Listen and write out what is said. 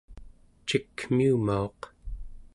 cikmiumauq